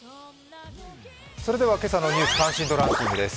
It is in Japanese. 今朝「ニュース関心度ランキング」です。